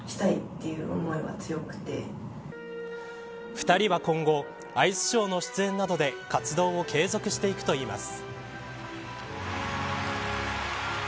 ２人は今後アイスショーの出演などで活動を継続していくといいます。